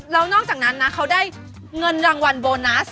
แล้วนอกจากนั้นนะเขาได้เงินรางวัลโบนัส